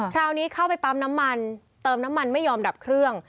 คราวนี้เข้าไปปั๊มน้ำมันเติมน้ำมันไม่ยอมดับเครื่อง